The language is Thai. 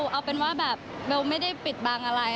เอาเป็นว่าแบบเบลไม่ได้ปิดบังอะไร